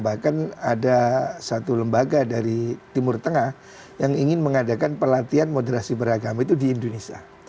bahkan ada satu lembaga dari timur tengah yang ingin mengadakan pelatihan moderasi beragama itu di indonesia